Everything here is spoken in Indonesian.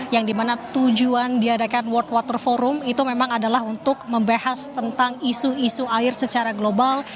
yang dimana tujuan diadakan world water forum itu memang adalah untuk membahas tentang isu isu air secara global